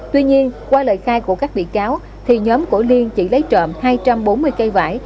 tuy nhiên qua lời khai của các bị cáo thì nhóm của liên chỉ lấy trộm hai trăm bốn mươi cây vải